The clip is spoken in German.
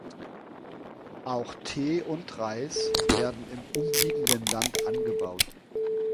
Auch Tee und Reis werden im umliegenden Land angebaut.